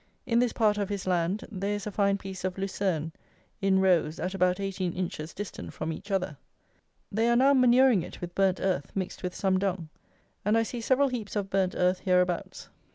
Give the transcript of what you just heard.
In this part of his land there is a fine piece of Lucerne in rows at about eighteen inches distant from each other. They are now manuring it with burnt earth mixed with some dung; and I see several heaps of burnt earth hereabouts.